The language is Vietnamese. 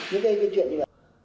những cái chuyện như vậy